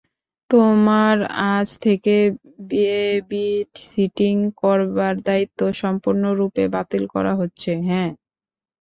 তোমার আজ থেকে বেবিসিটিং করবার দায়িত্ব, সম্পূর্ণরূপে বাতিল করা হচ্ছে, হ্যাহ?